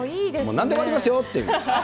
なんでもありますよっていう。